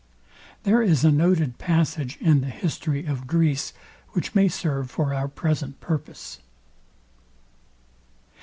There is a noted passage in the history of Greece, which may serve for our present purpose.